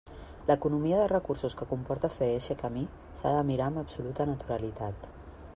L'economia de recursos que comporta fer eixe camí s'ha de mirar amb absoluta naturalitat.